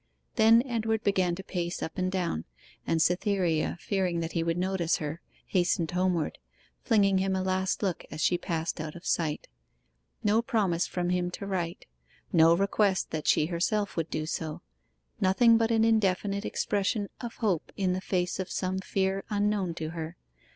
Then Edward began to pace up and down, and Cytherea, fearing that he would notice her, hastened homeward, flinging him a last look as she passed out of sight. No promise from him to write: no request that she herself would do so nothing but an indefinite expression of hope in the face of some fear unknown to her.